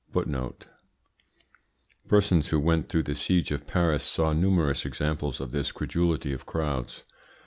Persons who went through the siege of Paris saw numerous examples of this credulity of crowds.